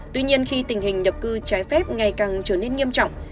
tuy nhiên khi tình hình nhập cư trái phép ngày càng trở nên nghiêm trọng